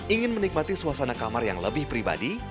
ingin menikmati suasana kamar yang lebih pribadi